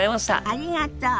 ありがとう。